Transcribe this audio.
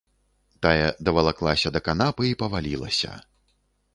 Тая давалаклася да канапы і павалілася.